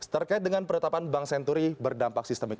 terkait dengan penetapan bank senturi berdampak sistemik